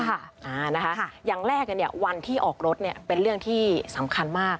อ่านะคะอย่างแรกเนี่ยวันที่ออกรถเนี่ยเป็นเรื่องที่สำคัญมาก